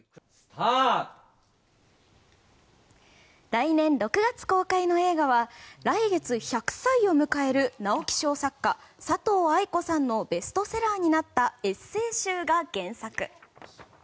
来年６月公開の映画は来月１００歳を迎える直木賞作家、佐藤愛子さんのベストセラーになったエッセー集が原作。